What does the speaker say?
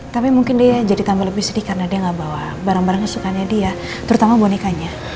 tapi mungkin dia jadi tambah lebih sedikit karena dia nggak bawa barang barang kesukanya dia terutama bonekanya